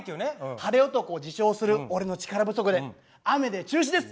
「晴れ男を自称する俺の力不足で雨で中止です。